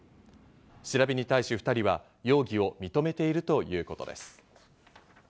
調べに対し、２人は容疑を認めているということです。